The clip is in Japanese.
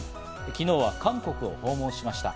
昨日は韓国を訪問しました。